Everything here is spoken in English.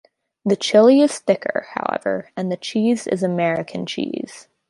The chili is thicker, however, and the cheese is American cheese.